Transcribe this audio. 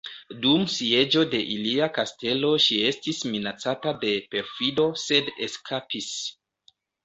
Dum sieĝo de ilia kastelo ŝi estis minacata de perfido sed eskapis.